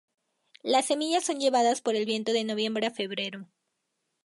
Las semillas son llevadas por el viento de noviembre a febrero.